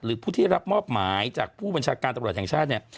ผู้ที่รับมอบหมายจากผู้บัญชาการตำรวจแห่งชาติเนี่ย